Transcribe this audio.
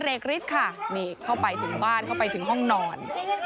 เอกฤทธิ์ค่ะนี่เข้าไปถึงบ้านเข้าไปถึงห้องนอน